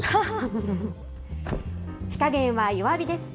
火加減は弱火です。